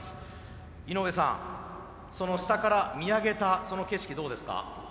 井上さんその下から見上げたその景色どうですか？